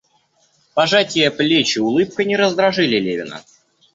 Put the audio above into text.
Пожатие плеч и улыбка не раздражили Левина.